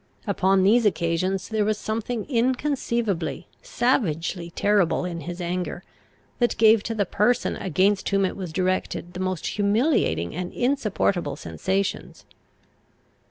Upon these occasions there was something inconceivably, savagely terrible in his anger, that gave to the person against whom it was directed the most humiliating and insupportable sensations.